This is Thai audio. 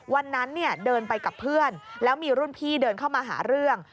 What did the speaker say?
วันนั้นเนี่ยเดินไปกับเพื่อนแล้วมีรุ่นพี่เดินเข้ามาหาเรื่อง